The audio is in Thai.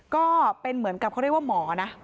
ก็เป็นเหมือนกับเขาเรียกว่าหมอนะ